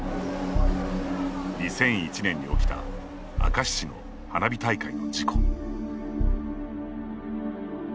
２００１年に起きた明石市の花火大会の事故。